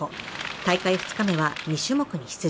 大会２日目は２種目に出場。